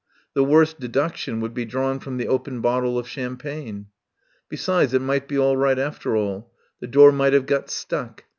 The worst deduction would be drawn from the open bottle of cham pagne. Besides, it might be all right after all. The door might have got stuck.